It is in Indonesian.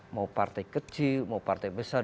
mau partai kecil mau partai besar